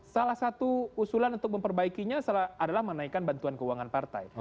salah satu usulan untuk memperbaikinya adalah menaikkan bantuan keuangan partai